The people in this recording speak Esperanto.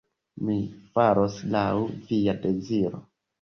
Mi faros laŭ via deziro.